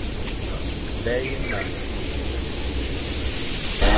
Bèye ma.